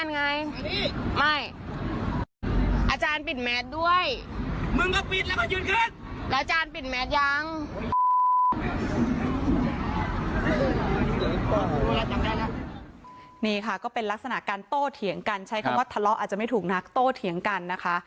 นี่ค่ะก็เป็นลักษณะการโต้เถียงกันใช้คำว่าทะเลาะอาจจะไม่ถูกนักโตเถียงกันนะคะ